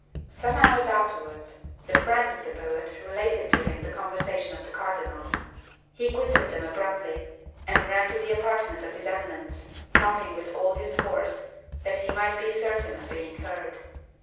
Some hours afterwards, the friends of the poet related to him the conversation of the cardinal. He quitted them abruptly, and ran to the apartment of his eminence, knocking with all his force, that he might be certain of being heard.